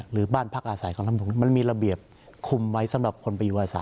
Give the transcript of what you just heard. จริงเรื่องบ้านพิสุโรค